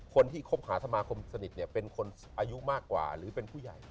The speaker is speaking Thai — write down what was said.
คบหาสมาคมสนิทเนี่ยเป็นคนอายุมากกว่าหรือเป็นผู้ใหญ่